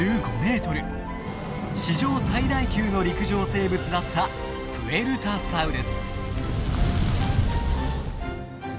史上最大級の陸上生物だったプエルタサウルス。